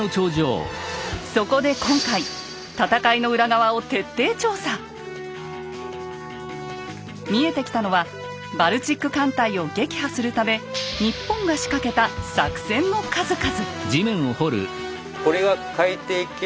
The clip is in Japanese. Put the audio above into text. そこで今回見えてきたのはバルチック艦隊を撃破するため日本が仕掛けた作戦の数々。